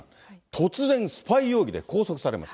突然、スパイ容疑で拘束されます。